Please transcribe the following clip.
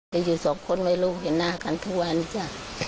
จะอยู่สองคนไหมลูกเห็นหน้ากันทั้งวันจ้ะ